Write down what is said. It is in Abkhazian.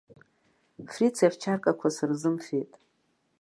Фриц иавчаркақәа сырзымфеит.